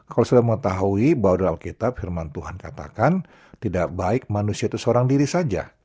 kalau saudara mengetahui bahwa dalam kitab firman tuhan katakan tidak baik manusia itu seorang diri saja